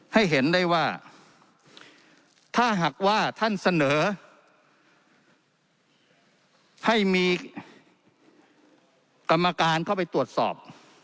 ให้เห็นได้ว่าถ้าหากว่าท่านเสนอให้มีกรรมการเข้าไปตรวจสอบ